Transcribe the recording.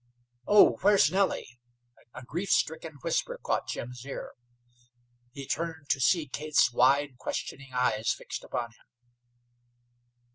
"Oh, where's Nellie?" A grief stricken whisper caught Jim's ear. He turned to see Kate's wide, questioning eyes fixed upon him.